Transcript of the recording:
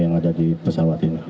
yang ada di pesawat ini